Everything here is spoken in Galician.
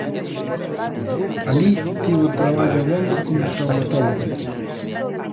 Alí tivo traballo abondo como traumatólogo.